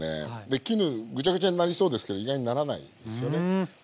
絹ぐちゃぐちゃになりそうですけど意外にならないんですよね。